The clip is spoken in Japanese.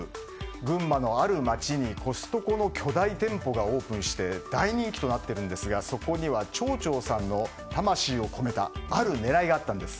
群馬のある町に、コストコの巨大店舗がオープンして大人気となっているんですがそこには町長さんの魂を込めたある狙いがあったんです。